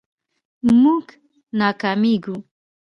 مونږ ناکامیږو